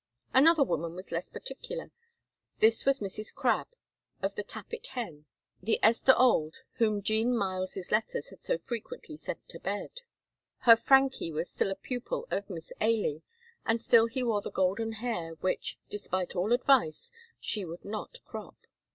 Another woman was less particular. This was Mrs. Crabb, of the Tappit Hen, the Esther Auld whom Jean Myles's letters had so frequently sent to bed. Her Francie was still a pupil of Miss Ailie, and still he wore the golden hair, which, despite all advice, she would not crop.